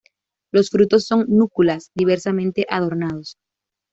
Los frutos son núculas, diversamente adornados.